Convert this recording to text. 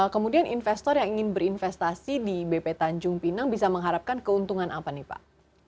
kemudian investor yang ingin berinvestasi di bp tanjung pinang bisa mengharapkan keuntungan apa nih pak